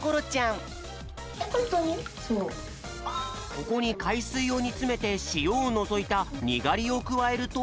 ここにかいすいをにつめてしおをのぞいたにがりをくわえると。